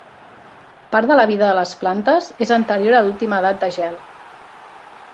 Part de la vida de les plantes és anterior a l'última edat de gel.